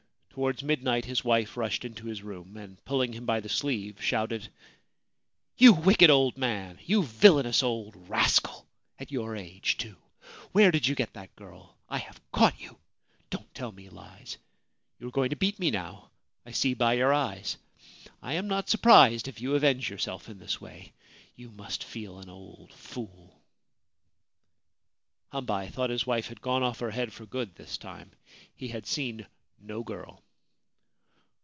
Towards midnight his wife rushed into his room, and, pulling him by the sleeve, shouted : c You wicked old man ! You villainous old rascal ! At your age too ! Where did you get that girl ? I have caught you ! Don't tell me lies ! You are going to beat me now — I see by your eyes. I am not surprised if you avenge yourself in this way — you must feel an old fool !' Hambei thought his wife had gone off her head for good this time. He had seen no girl.